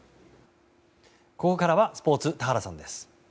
ここからはスポーツ田原さんです。